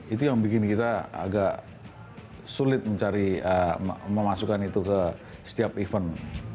itu yang bikin kita agak sulit mencari memasukkan itu ke setiap event